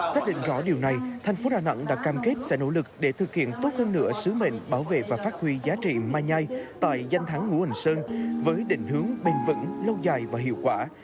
tác định rõ điều này thành phố đà nẵng đã cam kết sẽ nỗ lực để thực hiện tốt hơn nữa sứ mệnh bảo vệ và phát huy giá trị mai nhai tại danh thắng ngũ hành sơn với định hướng bình vững lâu dài và hiệu quả